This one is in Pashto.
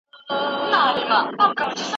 هر څه د بدلون په حال کې دي.